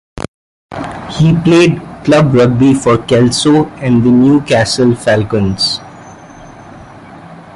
He played club rugby for Kelso and the Newcastle Falcons.